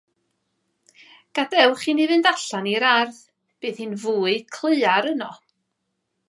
Gadewch i ni fynd allan i'r ardd; bydd hi'n fwy claear yno.